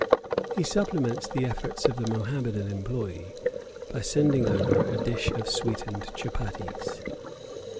He supplements the efforts of the Mohammedan employe, by sending over a dish of sweetened chuppaties.